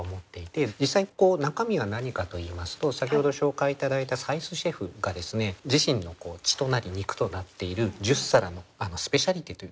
実際中身は何かといいますと先ほど紹介頂いた斉須シェフが自身の血となり肉となっている十皿のスペシャリテと言うのかな？